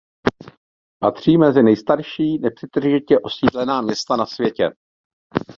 Patří mezi nejstarší nepřetržitě osídlená města na světě.